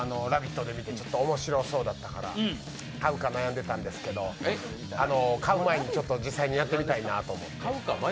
前に「ラヴィット！」で見てちょっと面白そうだったから買うか悩んでたんですけど買う前に実際にやってみたいなと思って。